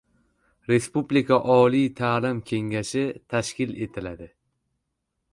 Respublika oliy ta’lim kengashi tashkil etiladi